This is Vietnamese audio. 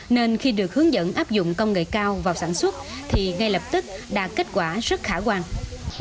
nên khi được hướng dẫn áp dụng công nghệ cao vào sản xuất thì ngay lập tức đạt kết quả rất khả quan